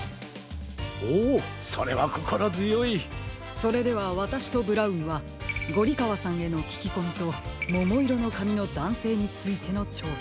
それではわたしとブラウンはゴリかわさんへのききこみとももいろのかみのだんせいについてのちょうさ。